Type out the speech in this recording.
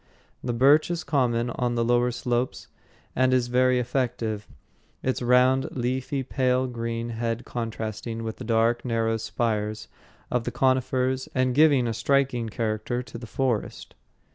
The birch is common on the lower slopes and is very effective, its round, leafy, pale green head contrasting with the dark, narrow spires of the conifers and giving a striking character to the forest.